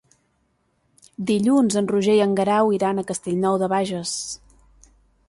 Dilluns en Roger i en Guerau iran a Castellnou de Bages.